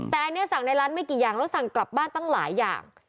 แต่อันนี้สั่งในร้านไม่กี่อย่างแล้วสั่งกลับบ้านตั้งหลายอย่าง